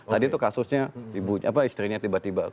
tadi itu kasusnya istrinya tiba tiba